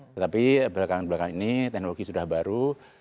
tetapi belakangan belakang ini teknologi sudah baru